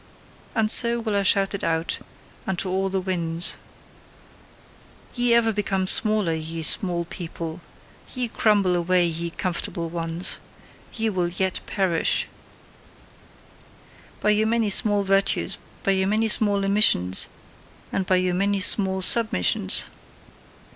And so will I shout it out unto all the winds: Ye ever become smaller, ye small people! Ye crumble away, ye comfortable ones! Ye will yet perish By your many small virtues, by your many small omissions, and by your many small submissions!